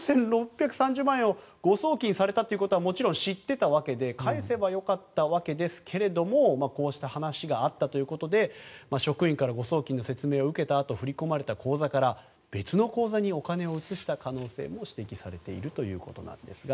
４６３０万円を誤送金されたということはもちろん知ってたわけで返せば良かったわけですがこうした話があったということで職員から誤送金の説明を受けたあと振り込まれた口座から別の口座にお金を移した可能性も指摘されているということです。